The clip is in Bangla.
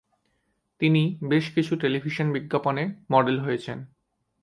তিনি বেশ কিছু টেলিভিশন বিজ্ঞাপনে মডেল হয়েছেন।